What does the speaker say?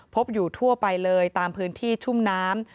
พบอยู่ทั่วไปเลยตามพื้นที่ชุ่มน้ำ